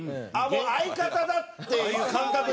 もう相方だっていう感覚で？